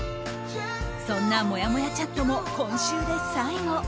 そんな、もやもやチャットも今週で最後。